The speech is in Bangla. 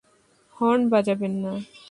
হর্ন বাজাবেন না।